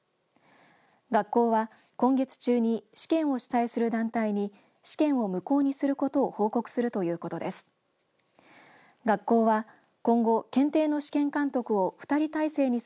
学校は今月中に試験を主催する団体に試験を無効にすることを報告するということです。